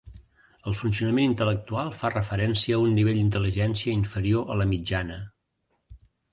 El funcionament intel·lectual fa referència a un nivell d'intel·ligència inferior a la mitjana.